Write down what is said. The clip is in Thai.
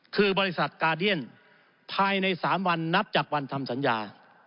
คือบริษัทกาเดียนภายใน๓วันนับจากวันทำสัญญา